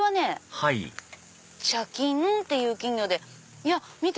はい茶金っていう金魚で見て！